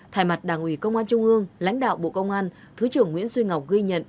thay mặt đảng ủy công an trung ương lãnh đạo bộ công an thứ trưởng nguyễn duy ngọc ghi nhận